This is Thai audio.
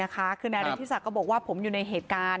นี่คือณินาทิสักบอกว่าผมอยู่ในเหตุการณ์